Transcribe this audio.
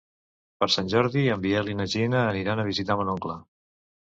Per Sant Jordi en Biel i na Gina aniran a visitar mon oncle.